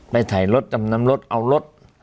ไปถ่ายรถจำนำรถเอารถ